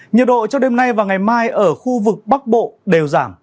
nhiệt độ cho đêm nay và ngày mai ở khu vực bắc bộ đều giảm